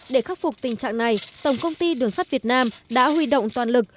để khắc phục tình trạng này tổng công ty đường sắt việt nam đã huy động toàn lực